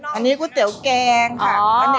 อันนี้ก๋วยเตี๋ยวแกงค่ะ